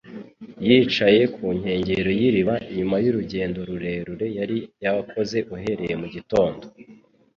Yicaye ku nkengero y’iriba, nyuma y’urugendo rurerure yari yakoze uhereye mu gitondo,